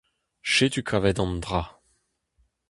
Setu kavet an dra…